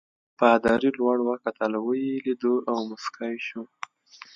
پادري لوړ وکتل ویې لیدو او مسکی شو.